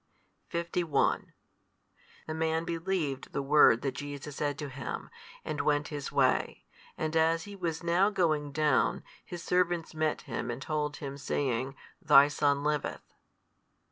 51 The man believed the word that Jesus said to him, and went his way. And as he was now going down, his servants met him and told him, saying, Thy son liveth.